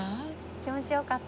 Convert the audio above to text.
気持ちよかった。